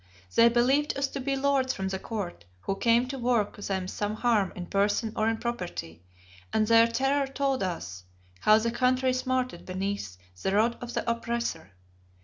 They believed us to be lords from the court who came to work them some harm in person or in property, and their terror told us how the country smarted beneath the rod of the oppressor.